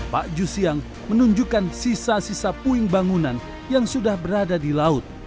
pak jusiang menunjukkan sisa sisa puing bangunan yang sudah berada di laut